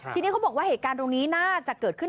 ทีนี้เขาบอกว่าเหตุการณ์ตรงนี้น่าจะเกิดขึ้น